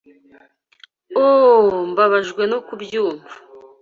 Oh! Mbabajwe no kubyumva.